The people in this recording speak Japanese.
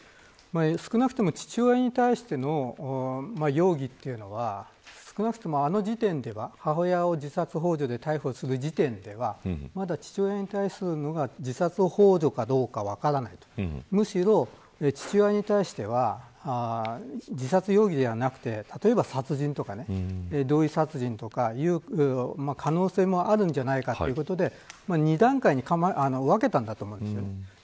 少なくとも父親に対しての容疑というのは母親を自殺ほう助で逮捕する時点ではまだ父親に対するのが自殺ほう助かどうか分からないとむしろ、父親に対しては自殺容疑ではなくて例えば殺人とか同意殺人とかいう可能性もあるんじゃないかということで２段階に分けたんだと思います。